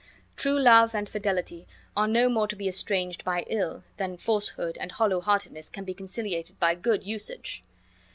True love and fidelity are no more to be estranged by ILL, than falsehood and hollow heartedness can be conciliated by GOOD, USAGE.